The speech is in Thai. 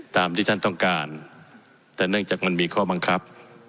ตามที่ท่านต้องการแต่เนื่องจากมันมีข้อบังคับ